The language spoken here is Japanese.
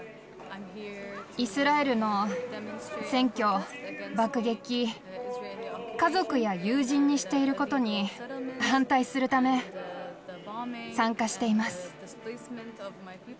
イスラエルの占拠、爆撃、家族や友人にしていることに反対するため、参加しています。